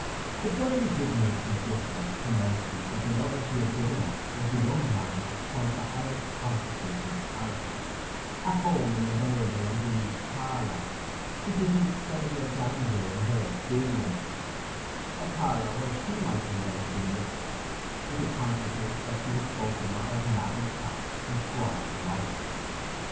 It certainly did make some difference to Nancy that the lover she had given up was the young man of quite the highest consequence in the parish—at home in a venerable and unique parlour, which was the extremity of grandeur in her experience, a parlour where she might one day have been mistress, with the consciousness that she was spoken of as "Madam Cass", the Squire's wife.